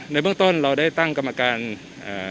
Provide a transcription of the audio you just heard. ในเบื้องต้นเราได้ตั้งกรรมการอ่า